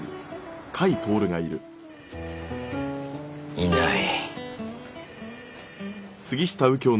いない。